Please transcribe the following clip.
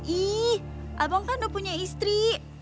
ih abang kan udah punya istri